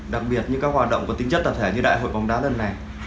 đặc biệt như các hoạt động có tính chất tập thể như đại hội bóng đá lần này